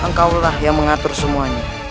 engkaulah yang mengatur semuanya